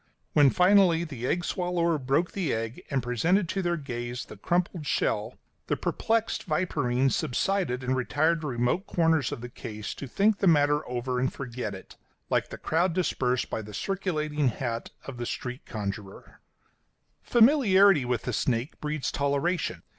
When finally the egg swallower broke the egg, and presented to their gaze the crumpled shell, the perplexed viperines subsided, and retired to remote corners of the case to think the matter over and forget it like the crowd dispersed by the circulating hat of the street conjurer. [Illustration: "MINE!"] [Illustration: "WHAT!"] [Illustration: "LAWKS!"] Familiarity with the snake breeds toleration.